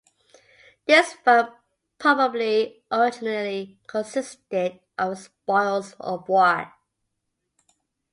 This fund probably originally consisted of the spoils of war.